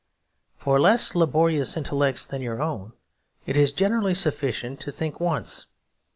For less laborious intellects than your own it is generally sufficient to think once.